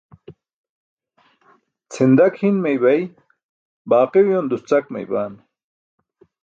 Cʰindak hin meeybay, baaqi uyoon duscak meeybaan.